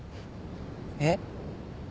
えっ？